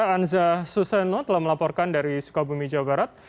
anza suseno telah melaporkan dari sukabumi jawa barat